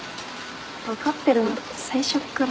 分かってるなら最初っから。